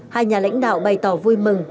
hai nhà lãnh đạo bày tỏ vui mừng